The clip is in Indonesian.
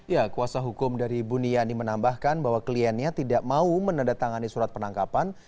ya kuasa hukum dari buniani menambahkan bahwa kliennya tidak mau menandatangani surat penangkapan